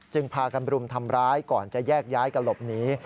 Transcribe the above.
พากันรุมทำร้ายก่อนจะแยกย้ายกันหลบหนี